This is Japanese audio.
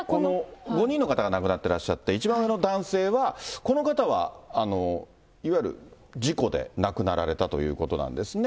５人の方が亡くなってらっしゃって、一番上の男性はこの方はいわゆる事故で亡くなられたということなんですね。